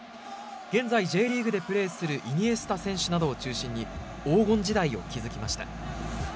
現在、Ｊリーグでプレーするイニエスタ選手などを中心に黄金時代を築きました。